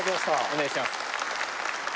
お願いします